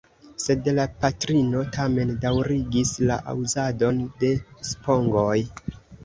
Sed la patrino tamen daŭrigis la uzadon de spongoj.